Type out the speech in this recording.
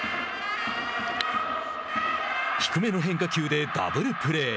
低めの変化球でダブルプレー。